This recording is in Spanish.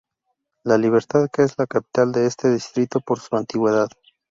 La Libertad, que es la capital de este distrito por su antigüedad.